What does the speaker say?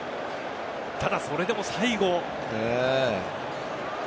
ただ、それでも最後。